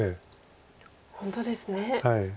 本当ですね。